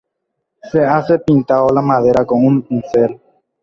Se hace pintando la madera con un pincel.